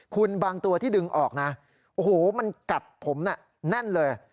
คุณบางตัวที่ดึงออกนะโอ้โหมันกัดผมน่ะแน่นเลย